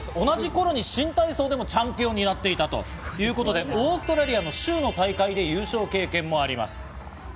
同じ頃に新体操でもチャンピオンになっていたということでオーストラリアの州の大会で優勝経験もあります。